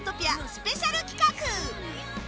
スペシャル企画。